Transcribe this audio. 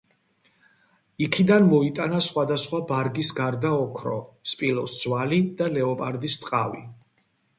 იქიდან მოიტანა სხვადასხვა ბარგის გარდა ოქრო, სპილოს ძვალი და ლეოპარდის ტყავი.